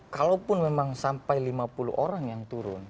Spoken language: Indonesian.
kalaupun memang sampai lima puluh orang yang turun